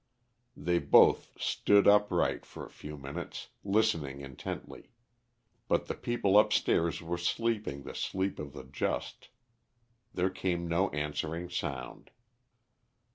They both stood upright for a few minutes listening intently. But the people upstairs were sleeping the sleep of the just. There came no answering sound.